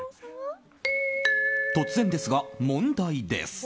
突然ですが、問題です。